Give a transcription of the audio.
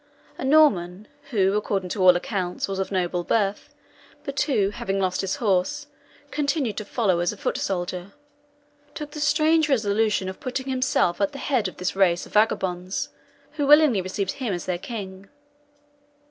"A Norman, who, according to all accounts, was of noble birth, but who, having lost his horse, continued to follow as a foot soldier, took the strange resolution of putting himself at the head of this race of vagabonds, who willingly received him as their king.